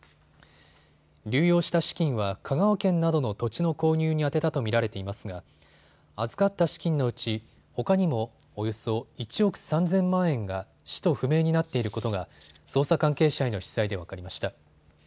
流用した資金は香川県などの土地の購入に充てたと見られていますが預かった資金のうちほかにもおよそ１億３０００万円が使途不明になっていることが捜査関係者への取材で分かりました。